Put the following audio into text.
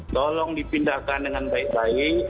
tolong dipindahkan dengan baik baik